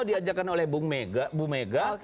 diajarkan oleh bung mega